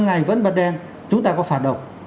ngày vẫn bật đèn chúng ta có phạt đầu